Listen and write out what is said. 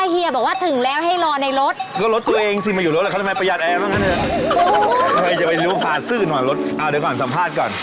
เดี๋ยวก่อนสัมภาษณ์ก่อน